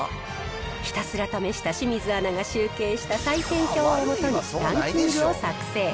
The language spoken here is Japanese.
ひたすら試した清水アナが集計した採点表を基に、ランキングを作成。